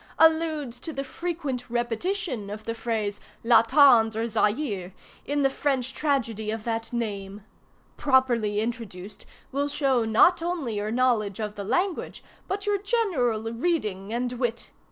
Alludes to the frequent repetition of the phrase, la tendre Zaire, in the French tragedy of that name. Properly introduced, will show not only your knowledge of the language, but your general reading and wit.